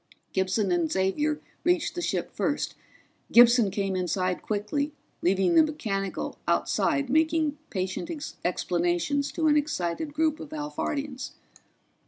Gibson and Xavier reached the ship first; Gibson came inside quickly, leaving the mechanical outside making patient explanations to an excited group of Alphardians.